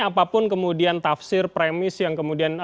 apapun kemudian tafsir premis yang kemudian